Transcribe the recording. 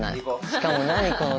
しかも何この亀。